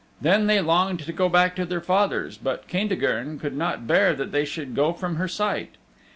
Then they longed to go back to their father's, but Caintigern could not bear that they should go from her sight.